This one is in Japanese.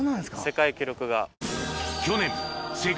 世界記録が。